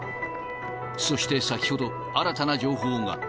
そして先ほど、新たな情報が。